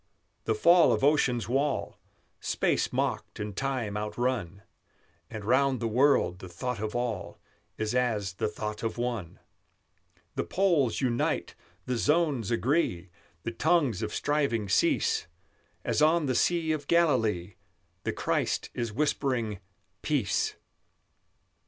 the fall of Ocean's wall Space mocked and time outrun; And round the world the thought of all Is as the thought of one! The poles unite, the zones agree, The tongues of striving cease; As on the Sea of Galilee The Christ is whispering, Peace!